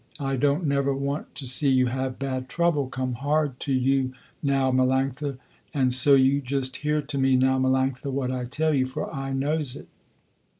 I don't never want to see you have bad trouble come hard to you now Melanctha, and so you just hear to me now Melanctha, what I tell you, for I knows it.